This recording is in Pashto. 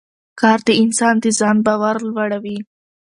کار د انسان د ځان باور لوړوي